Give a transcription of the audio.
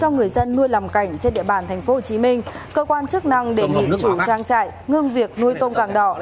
cho người dân nuôi làm cảnh trên địa bàn tp hcm cơ quan chức năng đề nghị chủ trang trại ngưng việc nuôi tôm càng đỏ